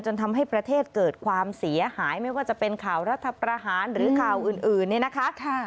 ทำให้ประเทศเกิดความเสียหายไม่ว่าจะเป็นข่าวรัฐประหารหรือข่าวอื่นเนี่ยนะคะ